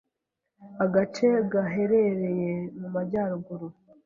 agace gaherereye mu majyaruguru